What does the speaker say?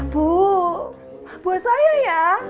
bu buat saya ya